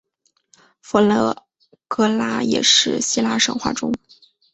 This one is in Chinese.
佛勒格拉也是希腊神话中。